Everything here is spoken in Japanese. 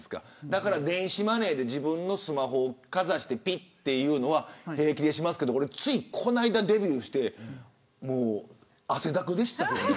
だから、電子マネーで自分のスマホをかざしてピッとやるのは平気でしますけど俺はついこないだデビューして汗だくでした。